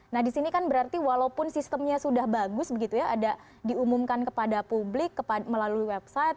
nah disini kan berarti walaupun sistemnya sudah bagus begitu ya ada diumumkan kepada publik melalui website